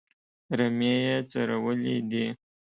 رمې یې څرولې دي.